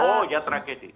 oh ya tragedi